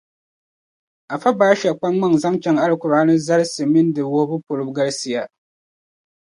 Afa Basha kpaŋ maŋa zaŋ chaŋ Alikuraani zalisi mini di wuhibu polo galsiya.